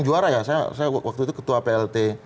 saya waktu itu ketua plt